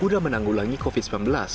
guna menanggulangi covid sembilan belas